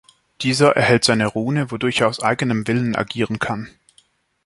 Dieser erhält seine Rune, wodurch er aus eigenem Willen agieren kann.